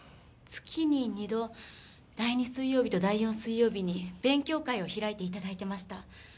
月に２度第２水曜日と第４水曜日に勉強会を開いて頂いてました。